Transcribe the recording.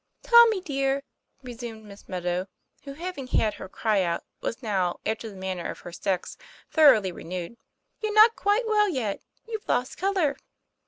" Tommy, dear," resumed Miss Meadow, who, hav ing had her cry out, was now, after the manner of her sex, thoroughly renewed, "you're not quite well yet; you've lost color."